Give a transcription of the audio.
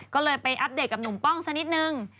ก็เลยไปอัปเดตกับหนุ่มป้องสักนิดนึง